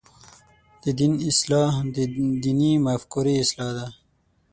د دین اصلاح د دیني مفکورې اصلاح ده.